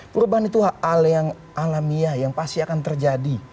perubahan itu hal yang alamiah yang pasti akan terjadi